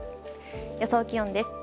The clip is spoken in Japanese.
予想気温です。